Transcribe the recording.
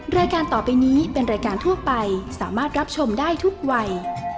รายการต่อไปนี้เป็นรายการทั่วไปสามารถรับชมได้ทุกวัย